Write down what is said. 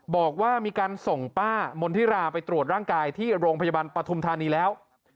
บอกว่ามีการส่งป้ามณฑิราไปตรวจร่างกายที่โรงพยาบาลปฐุมธานีแล้ว